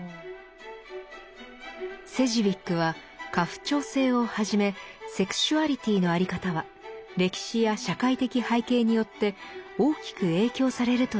セジウィックは家父長制をはじめセクシュアリティの在り方は歴史や社会的背景によって大きく影響されるといいます。